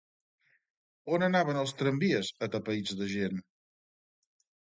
On anaven els tramvies, atapeïts de gent?